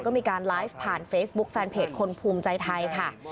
ก็มีการไลฟ์ผ่านเฟซบุ๊คแฟนเพจคนภูมิใจไทยค่ะ